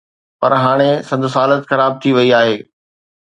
پر هاڻي سندس حالت خراب ٿي وئي آهي.